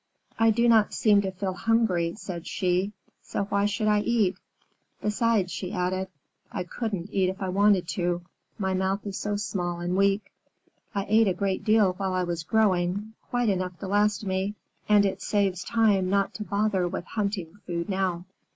"I do not seem to feel hungry," said she, "so why should I eat? Besides," she added, "I couldn't eat if I wanted to, my mouth is so small and weak. I ate a great deal while I was growing quite enough to last me and it saves time not to bother with hunting food now."